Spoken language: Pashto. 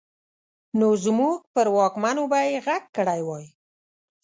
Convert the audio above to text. نو زموږ پر واکمنو به يې غږ کړی وای.